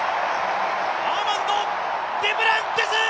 アーマンド・デュプランティス！